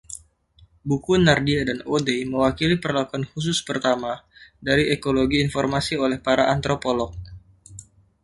Buku Nardi dan O'Day mewakili perlakuan khusus pertama dari ekologi informasi oleh para antropolog.